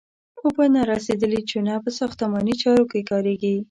اوبه نارسیدلې چونه په ساختماني چارو کې کاریږي.